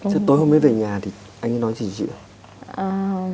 chứ tôi không biết về nhà thì anh nói gì với chị